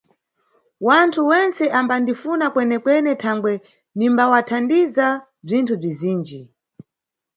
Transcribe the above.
Wanthu wentse ambandifuna kwenekwene thangwe nimbawathandiza bzinthu bzizinji.